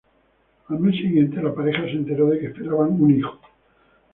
Al mes siguiente, la pareja se enteró de que esperaban un hijo.